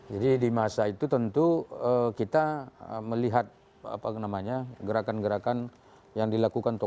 jadi di masa itu tentu kita melihat gerakan gerakan yang dilakukan toko